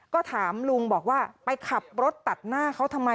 ก็ถามลุงบอกว่าไปขับรถตัดหน้าเขาทำไม